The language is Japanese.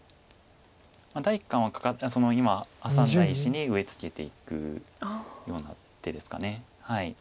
第一感は今ハサんだ石に上ツケていくような手ですか。